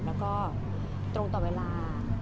แล้วก็ตรงต่อเวลา